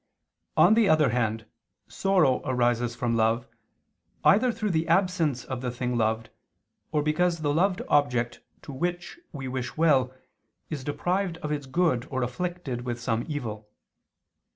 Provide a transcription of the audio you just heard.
On the other hand sorrow arises from love, either through the absence of the thing loved, or because the loved object to which we wish well, is deprived of its good or afflicted with some evil.